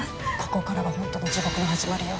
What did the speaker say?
ここからが本当の地獄の始まりよ。